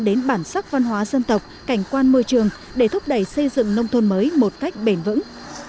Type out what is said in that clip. đến bản sắc văn hóa dân tộc cảnh quan môi trường để thúc đẩy xây dựng nông thôn mới một cách bền vững